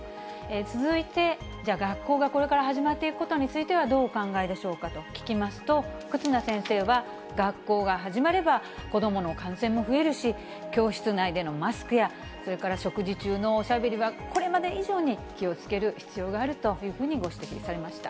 続いて、じゃあ、学校がこれから始まっていくことについては、どうお考えでしょうかと聞きますと、忽那先生は、学校が始まれば、子どもの感染も増えるし、教室内でのマスクや、それから食事中のおしゃべりは、これまで以上に気をつける必要があるというふうにご指摘されました。